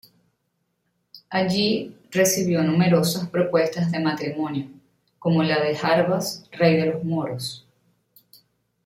Allí, recibió numerosas propuestas de matrimonio, como la de Jarbas, rey de los moros.